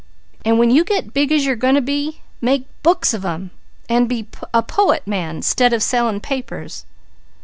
An' when you get big as you're goin' to be, make books of 'em, an' be a poet man 'stead of sellin' papers."